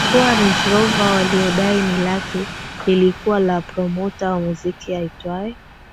kuwa Range Rover walilodai ni lake lilikuwa la promota wa muziki aitwaye